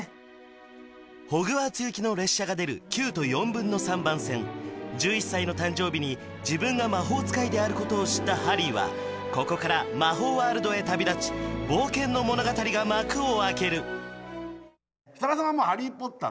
ホグワーツ行きの列車が出る９と４分の３番線１１歳の誕生日に自分が魔法使いであることを知ったハリーはここから魔法ワールドへ旅立ち冒険の物語が幕を開ける設楽さんはもうハリー・ポッター